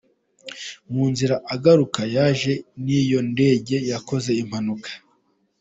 Mu nzira agaruka, yaje n’iyo ndege yakoze impanuka.